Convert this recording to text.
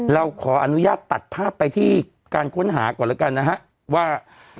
เราขออนุญาตตัดภาพไปที่การค้นหาก่อนแล้วกันนะฮะว่า